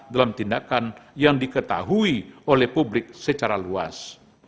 dalam tindakan yang diketahui oleh publik secara luas